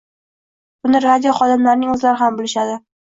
Buni radio xodimlarining o‘zlari ham bilishadi.